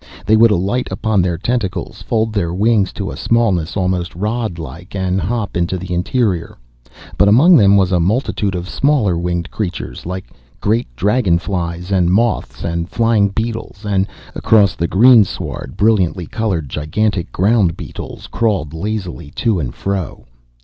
They would alight upon their tentacles, fold their wings to a smallness almost rod like, and hop into the interior. But among them was a multitude of smaller winged creatures, like great dragon flies and moths and flying beetles, and across the greensward brilliantly coloured gigantic ground beetles crawled lazily to and fro.